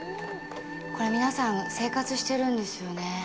これ、皆さん生活しているんですよね。